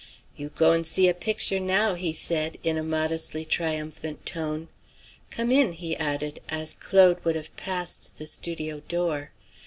"You goin' see a picture now," he said, in a modestly triumphant tone. "Come in," he added, as Claude would have passed the studio door.